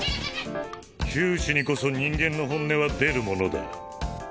窮地にこそ人間の本音は出るものだ。